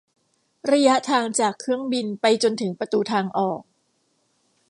ระยะทางจากเครื่องบินไปจนถึงประตูทางออก